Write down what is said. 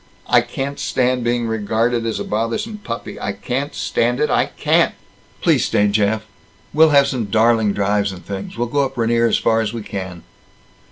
"I can't stand being regarded as a bothersome puppy. I can't stand it! I can't!" "Please stay, Jeff! We'll have some darling drives and things. We'll go up Rainier as far as we can."